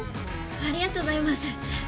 ありがとうございます。